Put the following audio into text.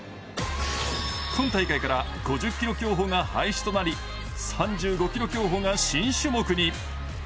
今大会から５０ｋｍ競歩が廃止となり、３５ｋｍ競歩が新種目に。